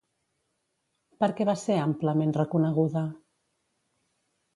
Per què va ser amplament reconeguda?